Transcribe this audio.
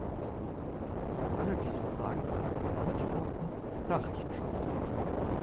Alle diese Fragen verlangen nach Antworten und nach Rechenschaft.